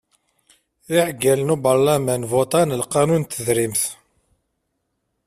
Iɛeggalen n ubarlaman votan lqanun n tedrimt.